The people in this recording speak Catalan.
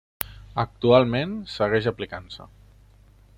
Actualment, segueix aplicant-se.